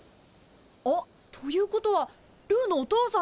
あっということはルーのお父さんですか？